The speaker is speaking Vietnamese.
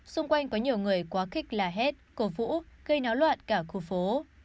xung quanh có nhiều người quá khích là hét cố vũ gây náo loạn cả khu phố